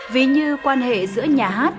vì như quan hệ giữa nhà hát